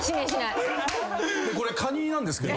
カニなんですけど。